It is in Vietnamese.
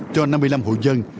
cho năm mươi năm hội dân